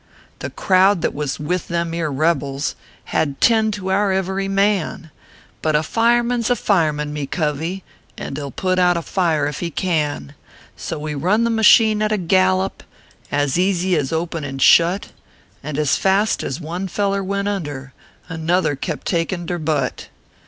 The crowd that was with them ere rebels Hud ten to pur every man ; But a fireman s a fireman, me covey, And he ll put out a fire if he can : So we run the masheen at a gallop, As easy as open and shut, And as fast as one feller went under, Another kept takin der butt.